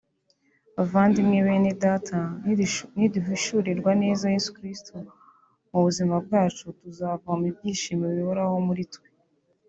Bavandimwe Bene Data niduhishurirwa neza Yesu Kristo mu buzima bwacu tuzavoma ibyishimo bihoraho muri twe